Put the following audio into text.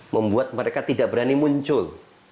membuat mereka tidak berani muncul